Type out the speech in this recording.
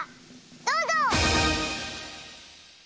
どうぞ！